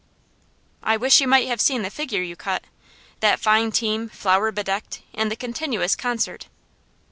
"I wish you might have seen the figure you cut! That fine team, flower bedecked, and the continuous concert!"